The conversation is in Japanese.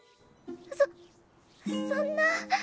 そそんな。